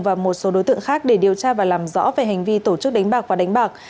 và một số đối tượng khác để điều tra và làm rõ về hành vi tổ chức đánh bạc và đánh bạc